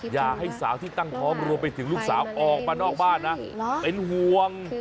อย่าให้สาวที่ตั้งท้องรวมไปถึงลูกสาวออกมานอกบ้านนะเป็นห่วง